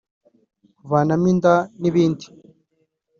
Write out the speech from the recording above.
kuvanamo inda n’ibindi